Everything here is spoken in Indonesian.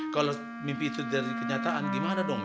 kalau mimpi itu dari kenyataan gimana dong